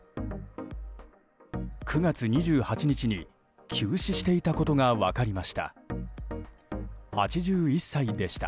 ９月２８日に急死していたことが分かりました。